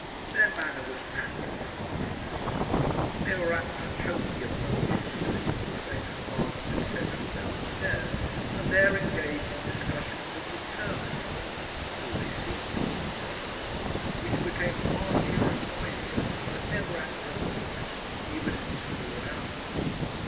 Their manner was packed with heartiness. They were apt to choke the approaches to the little buffet Margaret had set up downstairs, and there engage in discussions of Determinism it always seemed to be Determinism which became heartier and noisier, but never acrimonious even in the small hours.